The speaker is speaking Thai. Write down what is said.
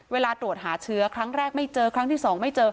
เวลาตรวจหาเชื้อครั้งแรกไม่เจอครั้งที่๒ไม่เจอ